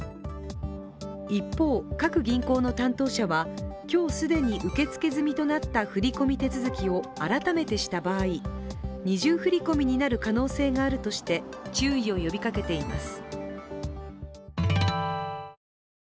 一方、各銀行の担当者は今日既に受け付け済みとなった振り込み手続きを改めてした場合、二重振り込みになる可能性があるとして、注意を呼びかけています。